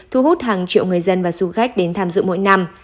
thu hút hàng triệu người dân và du khách đến tham dự mỗi năm